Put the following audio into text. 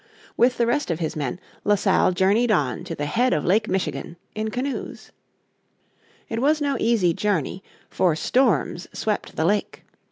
With the rest of his men La Salle journeyed on to the head of Lake Michigan in canoes. It was no easy journey, for storms swept the lake.